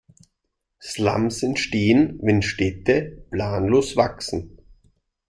Slums entstehen, wenn Städte planlos wachsen.